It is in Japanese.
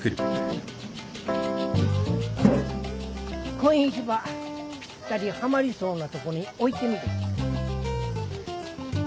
こん石ばぴったりはまりそうなとこに置いてみれ。